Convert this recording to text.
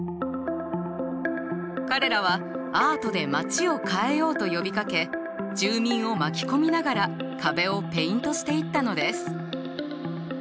彼らはアートで街を変えようと呼びかけ住民を巻き込みながら壁をペイントしていったのです。